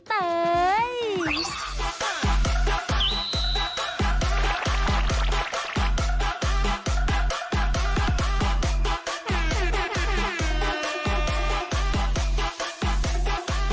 โปรดติดตามตอนต่อไป